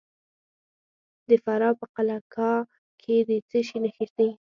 د فراه په قلعه کاه کې د څه شي نښې دي؟